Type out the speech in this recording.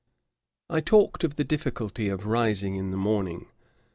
I talked of the difficulty of rising in the morning.